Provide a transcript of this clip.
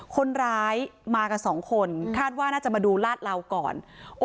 คนร้ายมากับสองคนคาดว่าน่าจะมาดูลาดเหลาก่อน